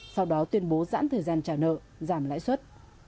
sau đó tuyên bố giãn thời gian trả nợ giảm lãi suất